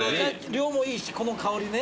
量もいいしこの香りね。